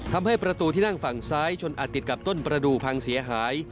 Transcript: ทำให้ประตูที่นั่งฝั่งซ้ายชนอาจติดกับต้นประดูกพังเสียหาย